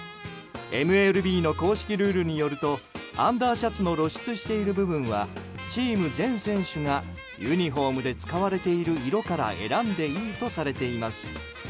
ＭＬＢの公式ルールによるとアンダーシャツの露出している部分はチーム全選手がユニホームで使われている色から選んでいいとされています。